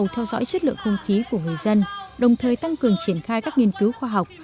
hệ thống trạm quan trắc không khí của người dân đồng thời tăng cường triển khai các nghiên cứu khoa học